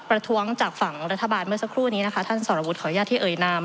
ประท้วงจากฝั่งรัฐบาลเมื่อสักครู่นี้นะคะท่านสรวุฒิขออนุญาตที่เอ่ยนาม